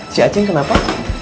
si acing kenapa